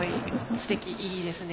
すてきいいですね。